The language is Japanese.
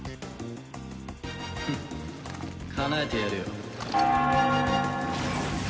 フッかなえてやるよ。